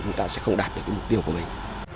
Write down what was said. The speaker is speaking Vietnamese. chúng ta sẽ không đạt được cái mục tiêu của mình